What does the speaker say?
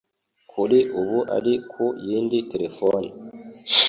Kuri ubu ari ku yindi telefone